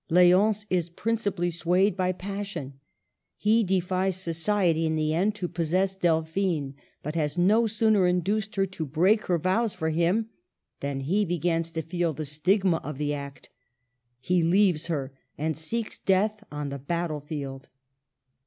L6once is principally swayed by pas sion. He defies society in the end to possess Delphine, but has no sooner induced her to break her vows for him than he begins to feel the stigma of the act. He leaves her, and seeks death on the battle field.